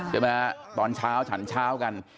ใช่ไหมฮะตอนเช้าฉันเช้ากัน